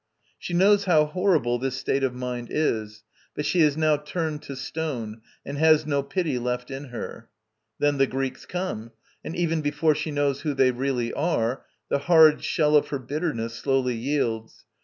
She knows how horrible this state of mind is, but she is now "turned to stone, and has no pity left in her." Then the Greeks come; and even before she knows who they really are, the hard shell of her bitterness slowly yields.